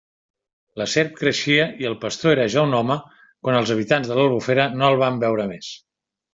La serp creixia i el pastor era ja un home, quan els habitants de l'Albufera no el van veure més.